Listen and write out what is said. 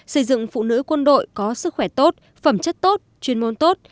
xây dựng phụ nữ quân đội có sức khỏe tốt phẩm chất tốt chuyên môn tốt